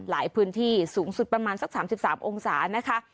หลายพื้นที่สูงสุดประมาณสักสามสิบสามองศานะคะ